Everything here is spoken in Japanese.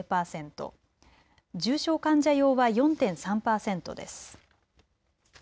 重症患者用は４．３％です。